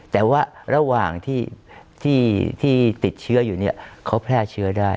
แต่ว่าระหว่างที่ติดเชื้ออยู่เนี่ยเขาแพร่เชื้อได้